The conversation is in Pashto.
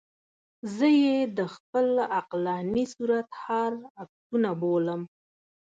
زه یې د خپل عقلاني صورتحال عکسونه بولم.